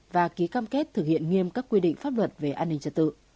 và ký cam kết thực hiện nghiêm các quy định pháp luật về an ninh trật tự